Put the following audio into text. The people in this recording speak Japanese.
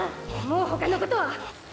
もう他のことは。